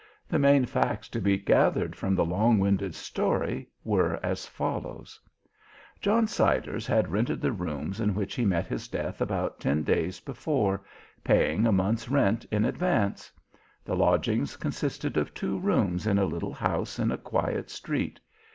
The main facts to be gathered from the long winded story were as follows: John Siders had rented the rooms in which he met his death about ten days before, paying a month's rent in advance. The lodgings consisted of two rooms in a little house in a quiet street.